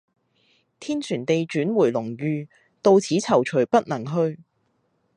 天旋地轉回龍馭，到此躊躇不能去。